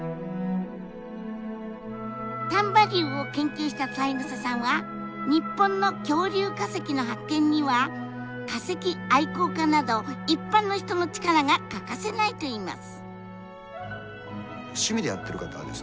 丹波竜を研究した三枝さんは日本の恐竜化石の発見には化石愛好家など一般の人の力が欠かせないといいます。